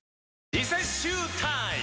リセッシュータイム！